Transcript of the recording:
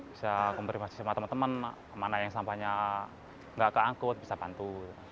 bisa konfirmasi sama teman teman mana yang sampahnya nggak keangkut bisa bantu